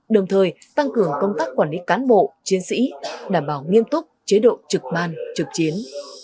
đồng thời tăng cường công tác quản lý cán bộ chiến sĩ đảm bảo nghiêm túc chế độ trực ban trực chiến